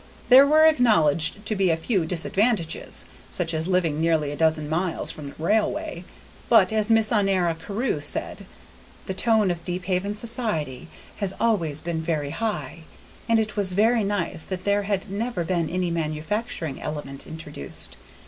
There were acknowledged to be a few disadvantages, such as living nearly a dozen miles from the railway, but, as Miss Honora Carew said, the tone of Deephaven society had always been very high, and it was very nice that there had never been any manufacturing element introduced.